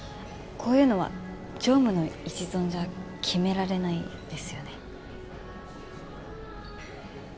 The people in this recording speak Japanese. こういうのは常務の一存じゃ決められないですよね？